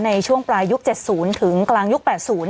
ในช่วงปลายยุค๗๐ถึงกลางยุค๘๐